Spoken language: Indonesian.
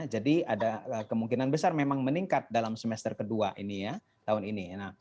jadi ada kemungkinan besar memang meningkat dalam semester ke dua tahun ini